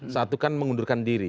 satu kan mengundurkan diri